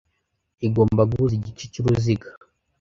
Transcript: Igomba guhuza igice cyuruziga,